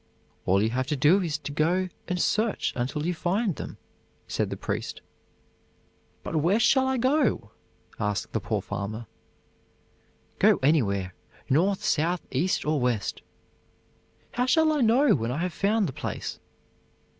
"All you have to do is to go and search until you find them," said the priest. "But where shall I go?" asked the poor farmer. "Go anywhere, north, south, east, or west." "How shall I know when I have found the place?"